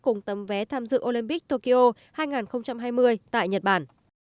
cùng tấm vé tham dự olympic tokyo hai nghìn hai mươi tại nhật bản